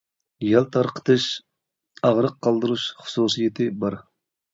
يەل تارقىتىش، ئاغرىق قالدۇرۇش خۇسۇسىيىتى بار.